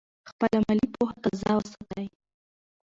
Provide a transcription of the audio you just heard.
خپله مالي پوهه تازه وساتئ.